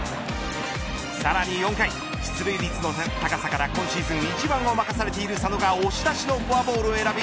さらに４回、出塁率の高さから今シーズン１番を任されている佐野が押し出しのフォアボールを選び